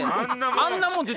あんなもん